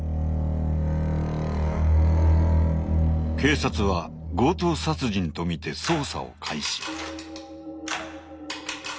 警察は強盗殺人とみて捜査を開始。